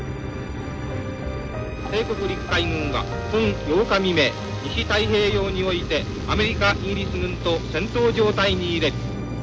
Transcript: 「帝国陸海軍は本８日未明西太平洋においてアメリカイギリス軍と戦闘状態にいれ」。